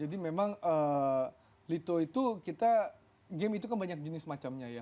jadi memang lito itu kita game itu kan banyak jenis macamnya ya